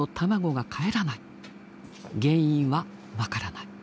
原因は分からない。